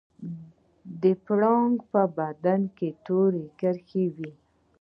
د پړانګ په بدن تورې کرښې وي